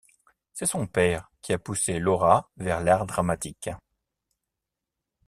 C'est son père qui a poussé Laura vers l'art dramatique.